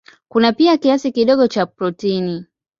Kuna pia kiasi kidogo cha protini.